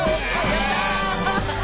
やった！